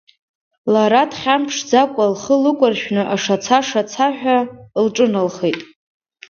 Лара дхьамԥшӡакәа лхы лыкәаршәны ашаца-шацаҳәа лҿыналхеит…